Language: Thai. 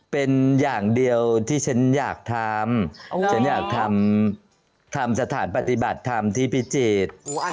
เป็นอย่างเดียวที่ฉันอยากทำฉันอยากทำสถานปฏิบัติธรรมที่พิจิตร